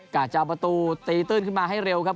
จะเอาประตูตีตื้นขึ้นมาให้เร็วครับ